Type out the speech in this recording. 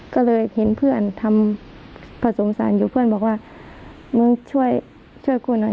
ก็เลยเห็นเพื่อนทำผสมสารอยู่เพื่อนบอกว่ามึงช่วยช่วยกูหน่อย